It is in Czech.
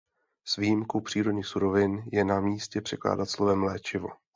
S výjimkou přírodních surovin je na místě překládat slovem „léčivo“.